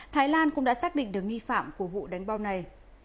thái lan cũng đã xác định được nghi phạm của vụ đánh bom này